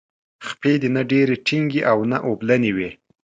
خپې دې نه ډیرې ټینګې او نه اوبلنې وي.